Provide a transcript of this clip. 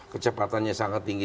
kecepatannya sangat tinggi